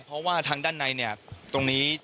เพราะว่าทางด้านในตรงนี้